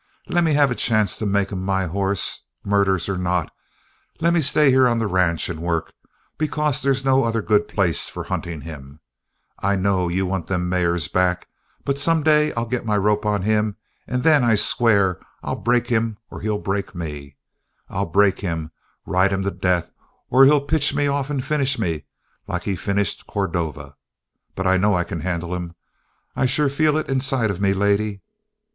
"Lemme have a chance to make him my hoss, murders or not! Lemme stay here on the ranch and work, because they's no other good place for hunting him. I know you want them mares, but some day I'll get my rope on him and then I swear I'll break him or he'll break me. I'll break him, ride him to death, or he'll pitch me off and finish me liked he finished Cordova. But I know I can handle him. I sure feel it inside of me, lady!